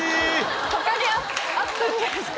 他にあったんじゃないですか？